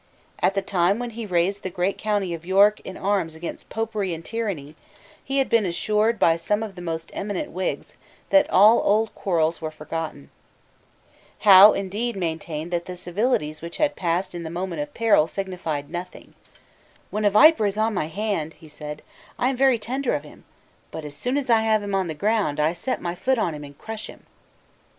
At the time when he raised the great county of York in arms against Popery and tyranny, he had been assured by some of the most eminent Whigs that all old quarrels were forgotten. Howe indeed maintained that the civilities which had passed in the moment of peril signified nothing. "When a viper is on my hand," he said, "I am very tender of him; but, as soon as I have him on the ground, I set my foot on him and crush him."